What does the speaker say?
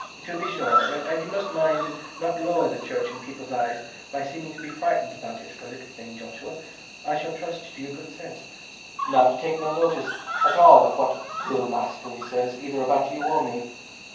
"To be sure; and you must mind and not lower the Church in people's eyes by seeming to be frightened about it for a little thing, Joshua. I shall trust to your good sense, now to take no notice at all of what Will Maskery says, either about you or me.